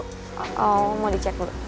oh mau dicek dulu